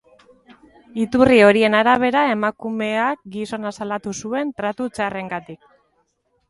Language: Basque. Iturri horien arabera, emakumeak gizona salatu zuen tratu txarrengatik.